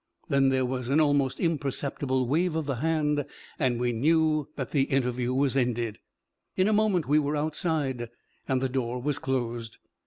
Then there was an almost imperceptible wave of the hand, and we knew that the interview was ended. In a moment we were outside and the door was closed.